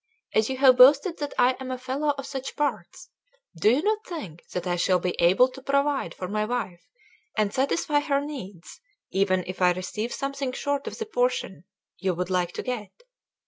As you have boasted that I am a fellow of such parts, do you not think that I shall be able to provide for my wife and satisfy her needs, even if I receive something short of the portion you would like to get?